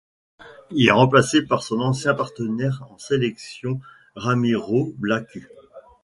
Il est remplacé par son ancien partenaire en sélection, Ramiro Blacut.